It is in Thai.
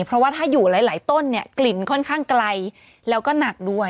เพราะว่าถ้าอยู่หลายต้นเนี่ยกลิ่นค่อนข้างไกลแล้วก็หนักด้วย